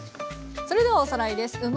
それではおさらいです。